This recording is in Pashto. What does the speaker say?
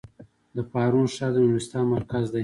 د پارون ښار د نورستان مرکز دی